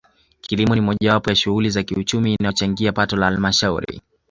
Kilimo ni mojawapo ya shughuli za kiuchumi inayochangia pato la Halmashauri